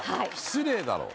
失礼だろ。